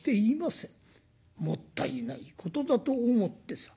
もったいないことだと思ってさ。